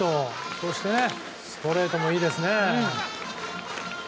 そしてストレートもいいですね。